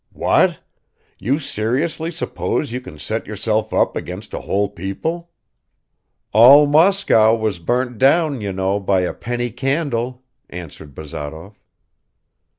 "What? You seriously suppose you can set yourself up against a whole people?" "All Moscow was burnt down, you know, by a penny candle," answered Bazarov.